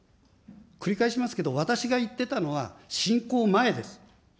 繰り返しますけど、私が言っていたのは、侵攻前です。